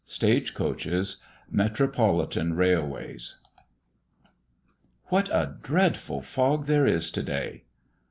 STAGE COACHES. METROPOLITAN RAILWAYS. "What a dreadful fog there is to day!"